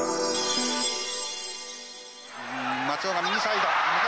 松尾が右サイド。